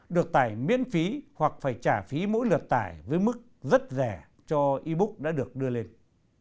được tải miễn phí hoặc phải trả phí mỗi lượt tải với mức rất rẻ cho e book đã được đưa lên